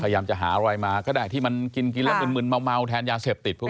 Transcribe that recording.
พยายามจะหาอะไรมาก็ได้ที่มันกินกินแล้วมึนเมาแทนยาเสพติดพวกนี้